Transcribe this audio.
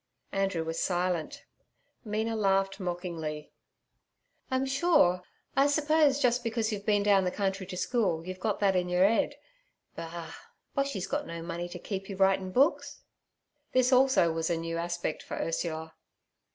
Andrew was silent; Mina laughed mockingly. 'I'm sure—I suppose just because you've been down the country to school you've got that in your 'ead. Bah! Boshy's got no money to keep you writin' books.' This also was a new aspect for Ursula.